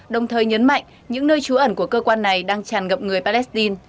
đồng thời nhấn mạnh những nơi trú ẩn của cơ quan này đang tràn ngập người palestine